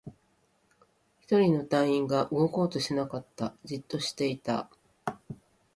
一人の隊員が動こうとしなかった。じっとしていた。